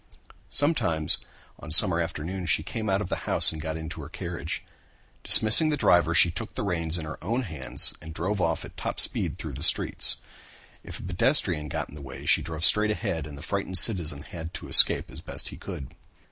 Sometimes on summer afternoons she came out of the house and got into her carriage. Dismissing the driver she took the reins in her own hands and drove off at top speed through the streets. If a pedestrian got in her way she drove straight ahead and the frightened citizen had to escape as best he could.